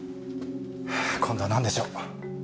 はぁ今度は何でしょう？